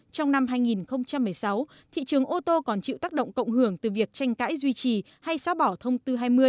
trong năm hai nghìn một mươi sáu thị trường ô tô còn chịu tác động cộng hưởng từ việc tranh cãi duy trì hay xóa bỏ thông tư hai mươi